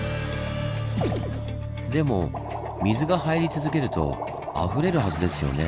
でも水が入り続けるとあふれるはずですよねぇ？